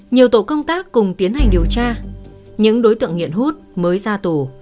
nhiều tổ công tác cùng tiến hành điều tra những đối tượng nghiện hút mới ra tù